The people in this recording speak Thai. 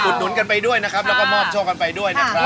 หนุนกันไปด้วยนะครับแล้วก็มอบโชคกันไปด้วยนะครับ